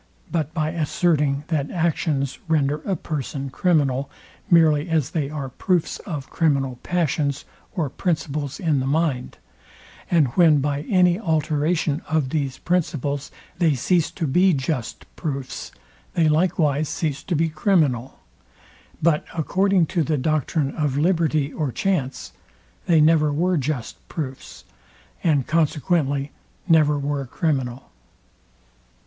But by asserting that actions render a person criminal, merely as they are proofs of criminal passions or principles in the mind; and when by any alteration of these principles they cease to be just proofs, they likewise cease to be criminal. But according to the doctrine of liberty or chance they never were just proofs, and consequently never were criminal.